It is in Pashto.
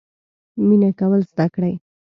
مینه کول زده کړئ